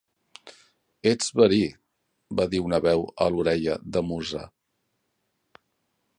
"Ets verí!", va dir una veu a l'orella de Musa.